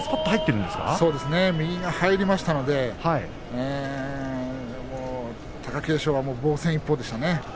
右が入りましたので貴景勝は防戦一方でしたね。